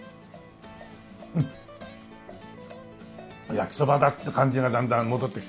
焼きそばだって感じがだんだん戻ってきたね。